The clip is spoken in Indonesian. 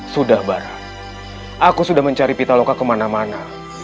sudah barah aku sudah mencari pitaloka kemana mana